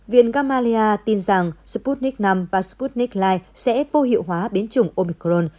viện gamalea tin rằng sputnik v và sputnik light sẽ vô hiệu hóa biến trùng omicron